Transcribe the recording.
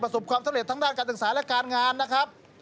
ความสำเร็จทั้งด้านการศึกษาและการงานนะครับ